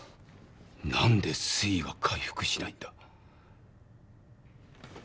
何で水位が回復しないんだ？